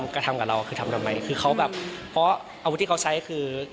กระทำกับเราคือทำทำไมคือเขาแบบเพราะอาวุธที่เขาใช้คือ